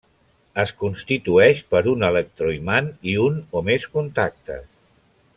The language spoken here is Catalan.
Es constitueix per un electroimant i un o més contactes.